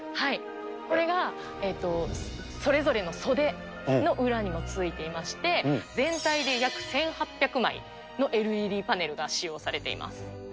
これがそれぞれの袖の裏にもついていまして、全体で約４、１８００枚のＬＥＤパネルが使用されています。